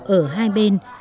ở hai bên